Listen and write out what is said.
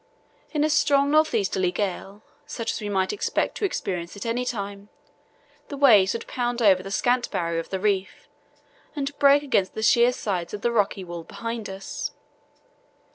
In a strong north easterly gale, such as we might expect to experience at any time, the waves would pound over the scant barrier of the reef and break against the sheer sides of the rocky wall behind us.